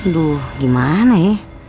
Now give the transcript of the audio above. duh gimana ya